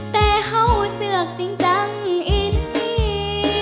แต่เข้าเสือกจริงจังอินดี